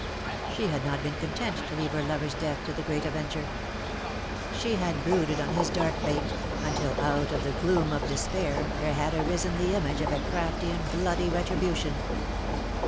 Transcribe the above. She had not been content to leave her lover's death to the Great Avenger. She had brooded on his dark fate, until out of the gloom of despair there had arisen the image of a crafty and bloody retribution.